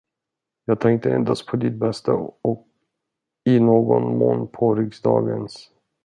Jag tänkte endast på ditt bästa och i någon mån på riksdagens.